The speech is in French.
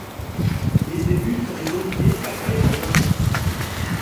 Les zébus sont des bovidés sacrés en Inde